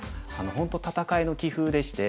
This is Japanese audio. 本当戦いの棋風でして。